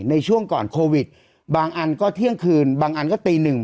ในช่วงก่อนโควิดบางอันก็เที่ยงคืนบางอันก็ตีหนึ่ง